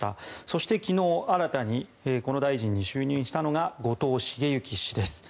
そして昨日新たにこの大臣に就任したのが後藤茂之氏です。